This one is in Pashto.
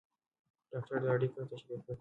ډاکټر دا اړیکه تشریح کړه.